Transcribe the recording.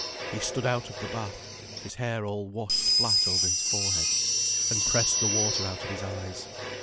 He stood out of the bath, his hair all washed flat over his forehead, and pressed the water out of his eyes.